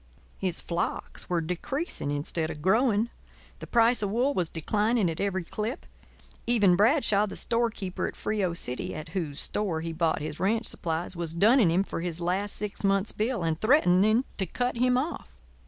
His flocks were decreasing instead of growing; the price of wool was declining at every clip; even Bradshaw, the storekeeper at Frio City, at whose store he bought his ranch supplies, was dunning him for his last six months' bill and threatening to cut him off.